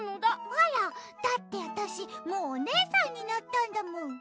あら？だってわたしもうおねえさんになったんだもん。